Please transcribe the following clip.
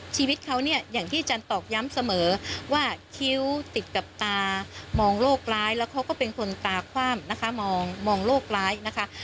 ชีวิตเขาเนี่ยอย่างที่อาจารย์ตอกย้ำเสมอว่าคิ้วติดกับตามองโลกร้ายแล้วเขาก็เป็นคนตาคว่ำนะคะมองโลกร้ายนะคะ